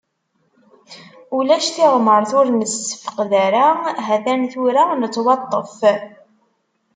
Ulac tiɣmert ur nessefqed ara, hatan tura nettwaṭṭef.